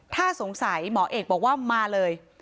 ถ้าสงสัยหมอเอกบอกว่ามาเลย